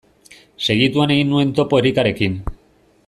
Segituan egin nuen topo Erikarekin.